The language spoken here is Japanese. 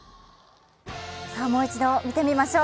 もう一度見てみましょう。